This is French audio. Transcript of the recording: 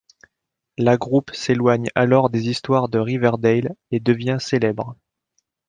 La groupe s'éloigne alors des histoires de Riverdale et devient célèbre.